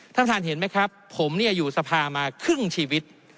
ท่านท่านเห็นไหมครับผมเนี่ยอยู่สภามาครึ่งชีวิต